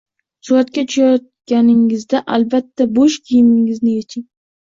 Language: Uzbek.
Suratga tushayotganingizda albatta bosh kiyimingizni yeching.